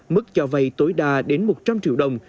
mức cho vay tối đa đến một trăm linh triệu đồng